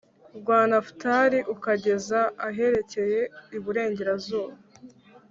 rwa Nafutali ukageza aherekeye iburengerazuba